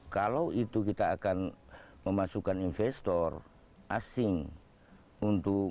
kalau itu kita akan memasukkan investor asing untuk